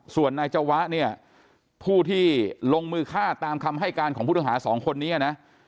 ส่วนนายจวะเนี่ยผู้ที่ลงมือฆ่าตามคำให้การของผู้ต้องหาสองคนนี้นะ